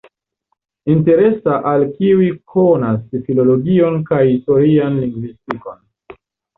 Interesa al kiuj konas filologion kaj historian lingvistikon.